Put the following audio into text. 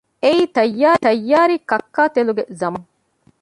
އެއީ ތައްޔާރީ ކައްކާތެލުގެ ޒަމާނެއް ނޫން